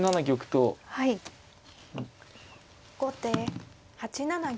後手８七銀。